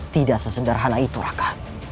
tidak sesenderhana itu raka